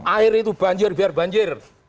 air itu banjir biar banjir